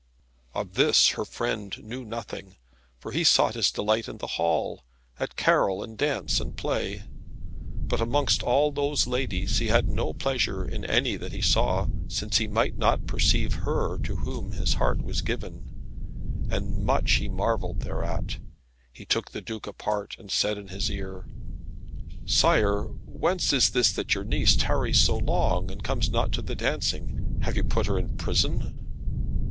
Of this her friend knew nothing, for he sought his delight in the hall, at carol and dance and play. But amongst all those ladies he had no pleasure in any that he saw, since he might not perceive her to whom his heart was given, and much he marvelled thereat. He took the Duke apart, and said in his ear, "Sire, whence is this that your niece tarries so long, and comes not to the dancing? Have you put her in prison?"